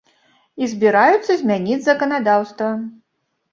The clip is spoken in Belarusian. І збіраюцца змяніць заканадаўства.